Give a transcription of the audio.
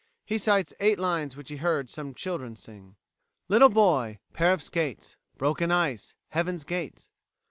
He cites eight lines which he heard some children sing: "Little boy, Pair of skates, Broken ice, Heaven's gates.